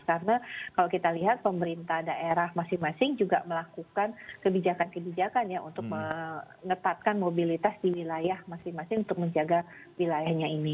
karena kalau kita lihat pemerintah daerah masing masing juga melakukan kebijakan kebijakan ya untuk mengetatkan mobilitas di wilayah masing masing untuk menjaga wilayahnya ini